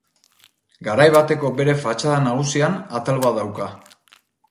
Garai bateko bere fatxada nagusian, atal bat dauka.